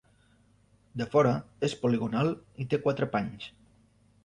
De fora, és poligonal i té quatre panys.